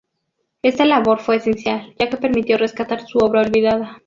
Esta labor fue esencial, ya que permitió rescatar su obra olvidada.